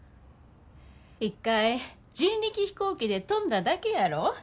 一回人力飛行機で飛んだだけやろ。